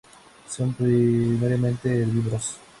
Son primariamente herbívoros.